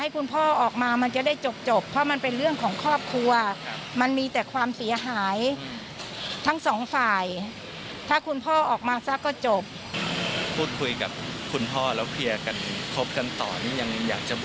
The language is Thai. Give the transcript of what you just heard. พูดคุยกับคุณพ่อและเพียร์กันครบกันต่อยังอยากจะบวชอยู่ไหมครับพี่